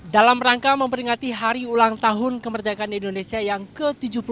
dalam rangka memperingati hari ulang tahun kemerdekaan indonesia yang ke tujuh puluh tiga